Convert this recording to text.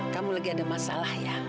kamu lagi ada masalah ya